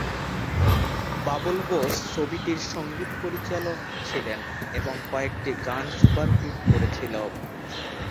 বাবুল বোস ছবিটির সংগীত পরিচালক ছিলেন এবং কয়েকটি গান সুপারহিট করেছিল।